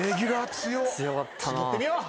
次いってみよう。